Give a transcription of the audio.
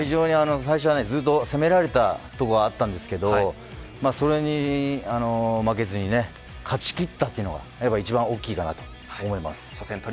最初は、ずっと攻められたところがあったんですけどそれに負けずに勝ち切ったというのが一番大きいかなと思います。